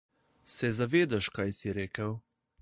Se zavedaš kaj si rekel?